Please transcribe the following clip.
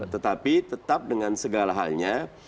tetapi tetap dengan segala halnya